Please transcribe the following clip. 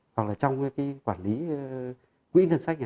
hoặc là trong cái quản lý